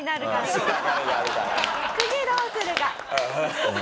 次どうするか。